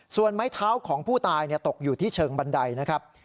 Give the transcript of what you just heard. ส่วนไม้เท้าของผู้ตายตกอยู่ที่เชิงบันไดนะครับ